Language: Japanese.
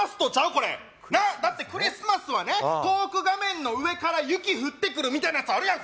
これだってクリスマスはねトーク画面の上から雪降ってくるみたいなやつあるやん